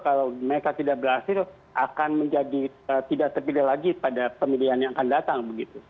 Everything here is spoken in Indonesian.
kalau mereka tidak berhasil akan menjadi tidak terpilih lagi pada pemilihan yang akan datang begitu